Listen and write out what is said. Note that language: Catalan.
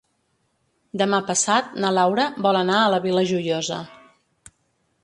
Demà passat na Laura vol anar a la Vila Joiosa.